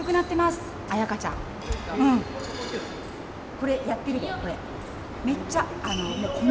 これやってるでこれ。